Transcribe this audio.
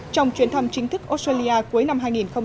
trong chuyến thăm chính thức australia cuối năm hai nghìn một mươi bảy